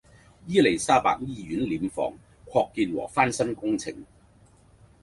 伊利沙伯醫院殮房擴建和翻新工程